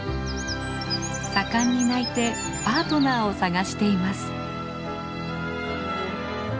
盛んに鳴いてパートナーを探しています。